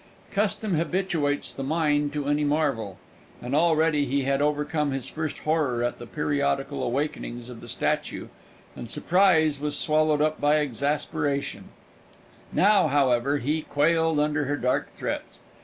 Custom habituates the mind to any marvel, and already he had overcome his first horror at the periodical awakenings of the statue, and surprise was swallowed up by exasperation; now, however, he quailed under her dark threats.